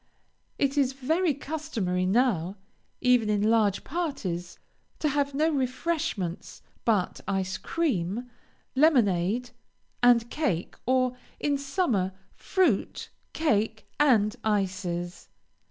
It is very customary now, even in large parties, to have no refreshments but ice cream, lemonade, and cake, or, in summer, fruit, cake, and ices.